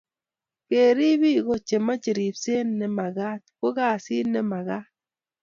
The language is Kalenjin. kerip biko che meche ripset ne magaat ko kasiit ne magaat